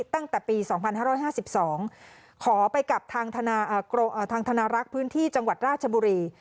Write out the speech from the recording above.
ตั้งแต่ปีสองพันห้าร้อยห้าสิบสองขอไปกับทางทนารักษ์พื้นที่จังหวัดราชบุรี